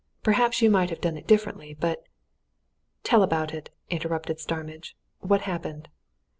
Perhaps you might have done differently, but " "Tell about it!" interrupted Starmidge. "What happened?"